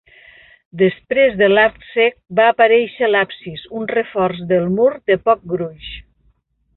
Després de l'arc cec va aparéixer l'absis, un reforç del mur de poc gruix.